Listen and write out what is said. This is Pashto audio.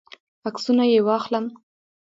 عکسونه یې واخلم.